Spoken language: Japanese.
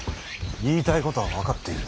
言いたいことは分かっている。